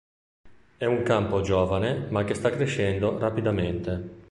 È un campo giovane ma che sta crescendo rapidamente.